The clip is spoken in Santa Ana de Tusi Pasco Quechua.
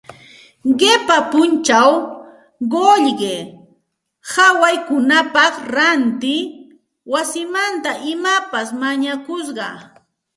Qipa punchaw qullqi haywaykunapaq ranti wasimanta imapas mañakusqa